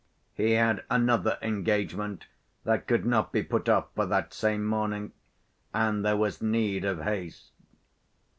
He had another engagement that could not be put off for that same morning, and there was need of haste.